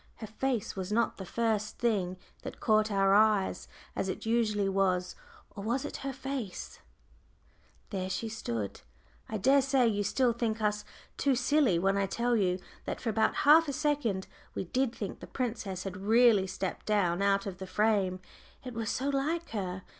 Her face was not the first thing that caught our eyes, as it usually was; or was it her face? I dare say you will think us too silly when I tell you that for about half a second we did think the princess had really stepped down out of the frame. It was so like her.